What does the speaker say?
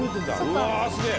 うわすげぇ。